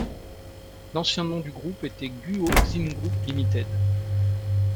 L'ancien nom du groupe était Guo Xin Group Limited.